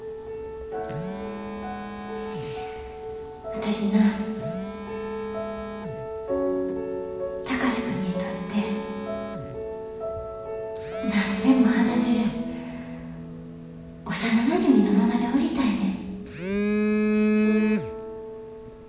私な貴司君にとって何でも話せる幼なじみのままでおりたいねん。